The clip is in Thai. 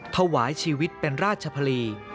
ถวายชีวิตเป็นราชพลี